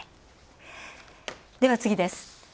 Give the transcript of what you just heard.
では、次です。